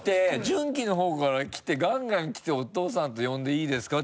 ジュンキのほうから来てガンガン来て「お父さんと呼んでいいですか？」